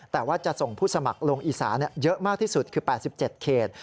แต่ว่าจะส่งผู้สมัครลงอีสานเยอะมากที่สุดคือ๘๗เขต